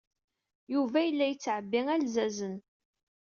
Yuba yella yettɛebbi alzazen.